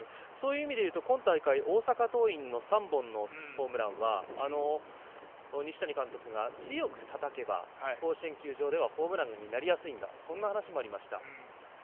今大会大阪桐蔭の３本のホームランは西谷監督が強くたたけば甲子園球場ではホームランになりやすいんだとそんな話もありました。